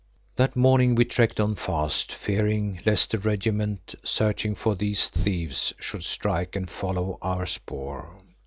That morning we trekked on fast, fearing lest a regiment searching for these "thieves" should strike and follow our spoor.